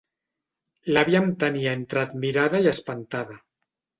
L'àvia em tenia entre admirada i espantada.